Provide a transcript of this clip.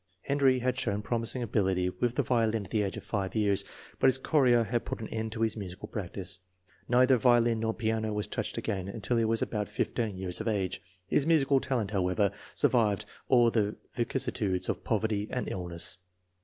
Henry had shown promising ability with the violin at the age of five years, but his chorea had put an end to his musical practice. Neither violin nor piano was touched again until he was about 15 years of age. His musical talent, however, survived all the vicissitudes of poverty and illness.